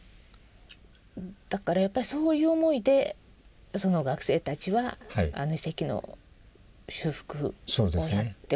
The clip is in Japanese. だからやっぱりそういう思いでその学生たちは遺跡の修復をやっておられるというか。